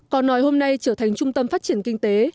còn nòi hôm nay trở thành trung tâm phát triển kinh tế